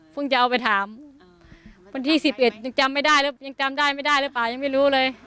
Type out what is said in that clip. จะเอาไปถามวันที่๑๑ยังจำไม่ได้แล้วยังจำได้ไม่ได้หรือเปล่ายังไม่รู้เลย